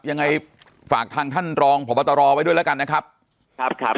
ยังไงฝากทางท่านรองพบตรไว้ด้วยแล้วกันนะครับครับ